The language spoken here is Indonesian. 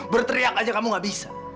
berteriak aja kamu gak bisa